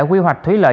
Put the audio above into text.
quy hoạch thúy lợi